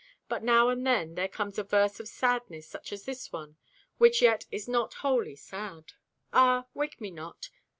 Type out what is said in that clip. But now and then there comes a verse of sadness such as this one, which yet is not wholly sad: Ah, wake me not!